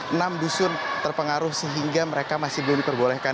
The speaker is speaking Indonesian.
enam dusun terpengaruh sehingga mereka masih belum diperbolehkan